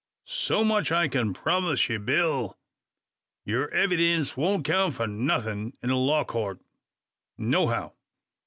So much I kin promise ye, Bill. Yur evydince wouldn't count for nuthin' in a law court, nohow.